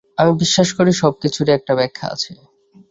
আমি বিশ্বাস করি সব কিছুরই একটি ব্যাখা আছে।